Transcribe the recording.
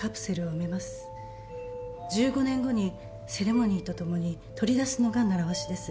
１５年後にセレモニーとともに取り出すのが習わしです。